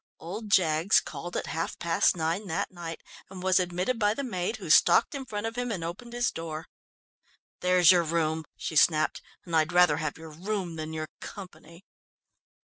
Old Jaggs called at half past nine that night, and was admitted by the maid, who stalked in front of him and opened his door. "There's your room," she snapped, "and I'd rather have your room than your company."